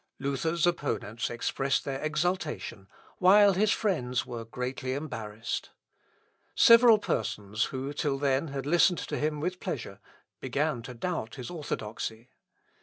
Luther's opponents expressed their exultation, while his friends were greatly embarrassed. Several persons, who till then had listened to him with pleasure, began to doubt his orthodoxy.